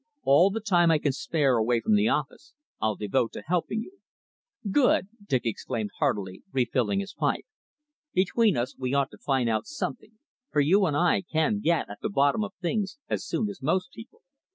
"All the time I can spare away from the office I'll devote to helping you." "Good," Dick exclaimed heartily, refilling his pipe. "Between us we ought to find out something, for you and I can get at the bottom of things as soon as most people."